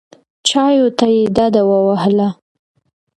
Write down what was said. چایو ته یې ډډه ووهله.